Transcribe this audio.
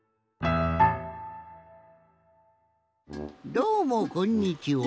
どうもこんにちは。